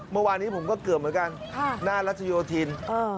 เมื่อวานนี้ผมก็เกือบเหมือนกันหน้ารัชโยธิน